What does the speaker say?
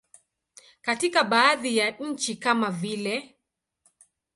Katika baadhi ya nchi kama vile.